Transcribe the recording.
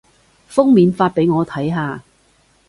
封面發畀我睇下